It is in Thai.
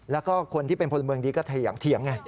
แล้วก็คนที่เป็นพลเมืองดีก็อยากเถียงไง